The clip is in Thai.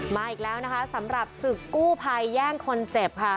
มาอีกแล้วนะคะสำหรับศึกกู้ภัยแย่งคนเจ็บค่ะ